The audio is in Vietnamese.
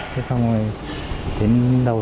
thế xong rồi đến đầu